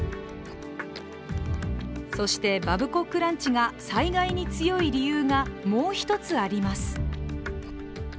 そしてバブコックランチが災害に強い理由がもう一つあります。